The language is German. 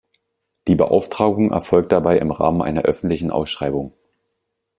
Die Beauftragung erfolgt dabei im Rahmen einer öffentlichen Ausschreibung.